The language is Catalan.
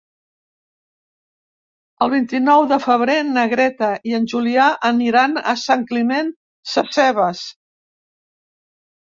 El vint-i-nou de febrer na Greta i en Julià aniran a Sant Climent Sescebes.